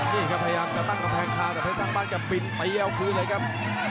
นี่ครับพยายามจะตั้งกระแพงข้าวแต่เพชรตั้งบ้านจะปินไปเยี่ยวคืนเลยครับ